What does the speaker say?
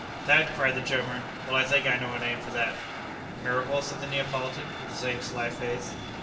'That!' cried the German. 'Well, I think I know a name for that.' 'Miracle?' said the Neapolitan, with the same sly face.